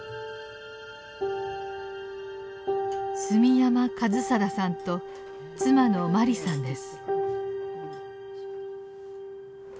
住山一貞さんと妻のマリさんです。